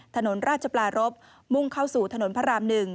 ถนนราชปลารบมุ่งเข้าสู่ถนนพระราม๑